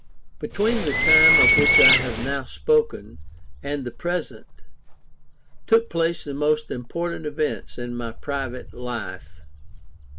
Between the time of which I have now spoken, and the present, took place the most important events of my private life.